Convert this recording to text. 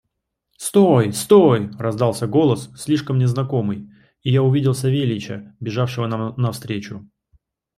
«Стой! стой!» – раздался голос, слишком мне знакомый, – и я увидел Савельича, бежавшего нам навстречу.